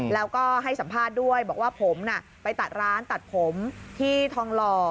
แล้วก็ให้สัมภาษณ์ด้วยบอกว่าผมน่ะไปตัดร้านตัดผมที่ทองหล่อ